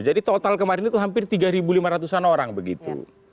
jadi total kemarin itu hampir tiga lima ratus an orang begitu